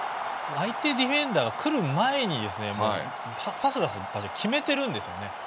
相手ディフェンダーが来る前にパス出す場所を決めているんですよね。